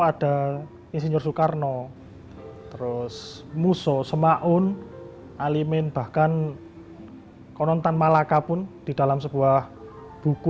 ada insinyur soekarno terus muso semaun alimin bahkan konontan malaka pun di dalam sebuah buku